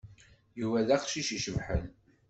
Yuba d aqcic icebḥen.